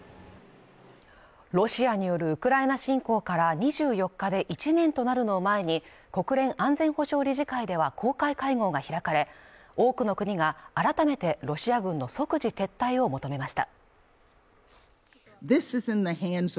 ロシアによるウクライナ侵攻から２４日で１年となるのを前に国連安全保障理事会では公開会合が開かれ多くの国が改めてロシア軍の即時撤退を求めました